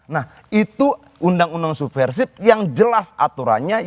nah itu undang undang subversif yang jelas aturannya